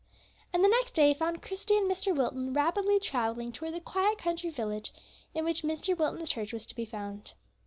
And the next day found Christie and Mr. Wilton rapidly traveling towards the quiet country village in which Mr. Wilton's church was to be found.